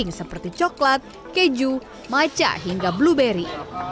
ketiga keju macar hingga blueberry